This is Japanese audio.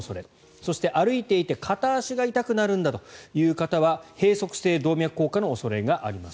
そして、歩いていて片足が痛くなるんだという方は閉塞性動脈硬化の恐れがあります。